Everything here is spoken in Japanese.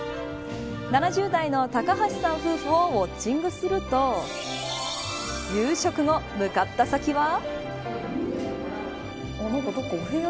７０代の高橋さん夫婦をウオッチングすると夕食後、向かった先は。